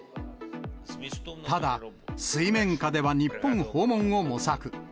ただ、水面下では日本訪問を模索。